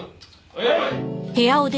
はい！